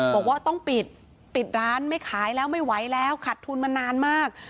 บอกว่าต้องปิดปิดร้านไม่ขายแล้วไม่ไหวแล้วขัดทุนมานานมาก